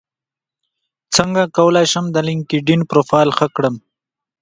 څنګه کولی شم د لینکیډن پروفایل ښه کړم